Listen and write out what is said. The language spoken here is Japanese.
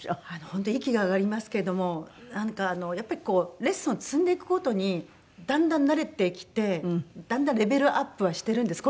本当息が上がりますけどもなんかやっぱりこうレッスンを積んでいくごとにだんだん慣れてきてだんだんレベルアップはしてるんです